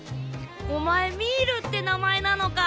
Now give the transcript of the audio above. お前ミールって名前なのか。